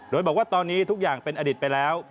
โดยบอกว่าตอนนี้ทุกอย่างเป็นอดิตไปแล้ว